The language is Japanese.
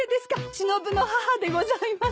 しのぶの母でございます。